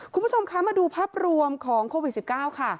คุณผู้ชมคะมาดูภาพรวมของโควิด๑๙ค่ะ